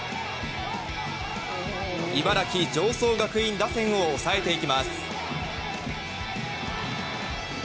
茨城・常総学院打線を抑えていきます。